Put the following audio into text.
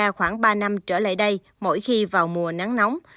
các cơ quan chức năng cũng đã trở lại đây mỗi khi vào mùa nắng nóng